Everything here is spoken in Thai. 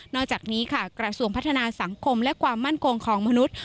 อกจากนี้ค่ะกระทรวงพัฒนาสังคมและความมั่นคงของมนุษย์